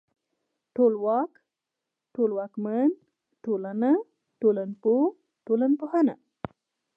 ټولواک ، ټولواکمن، ټولنه، ټولنپوه، ټولنپوهنه